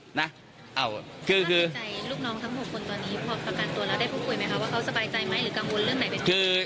คุณผอดประกันตัวแล้วได้พูดคุยไหมครับว่าเขาสบายใจไหมหรือกังวลเรื่องไหนไป